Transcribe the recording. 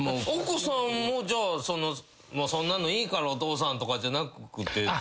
奥さんも「そんなのいいからお父さん」とかじゃなくて？